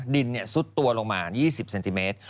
ซุดตัวลงมา๒๐เซนติเมตร